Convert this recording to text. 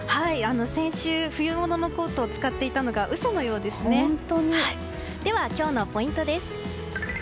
先週、冬物のコートを使っていたのが嘘のようですねでは今日のポイントです。